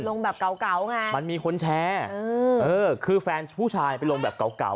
ลงแบบเก่าเก่าไงมันมีคนแชร์เออเออคือแฟนผู้ชายไปลงแบบเก่าเก่า